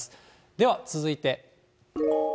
では続いて。